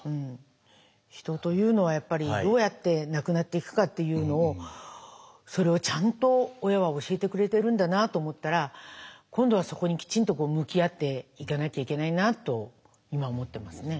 人というのはやっぱりどうやって亡くなっていくかというのをそれをちゃんと親は教えてくれてるんだなと思ったら今度はそこにきちんと向き合っていかなきゃいけないなと今思ってますね。